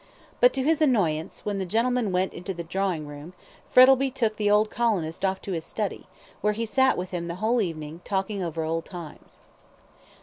But, to his annoyance, when the gentlemen went into the drawing room, Frettlby took the old colonist off to his study, where he sat with him the whole evening talking over old times.